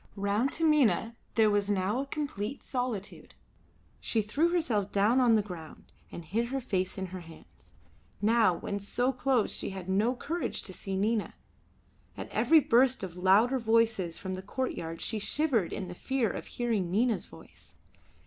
Round Taminah there was now a complete solitude. She threw herself down on the ground, and hid her face in her hands. Now when so close she had no courage to see Nina. At every burst of louder voices from the courtyard she shivered in the fear of hearing Nina's voice.